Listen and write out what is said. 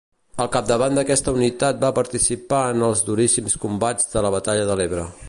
Al capdavant d'aquesta unitat va participar en els duríssims combats de la batalla de l'Ebre.